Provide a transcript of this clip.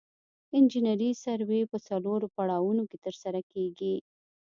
انجنیري سروې په څلورو پړاوونو کې ترسره کیږي